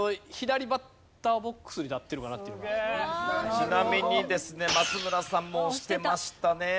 あとまあちなみにですね松村さんも押してましたね。